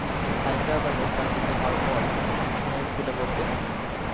হায়দ্রাবাদে স্থানান্তরিত হওয়ার পর তিনি একটি মিশনারী স্কুলে ভর্তি হন।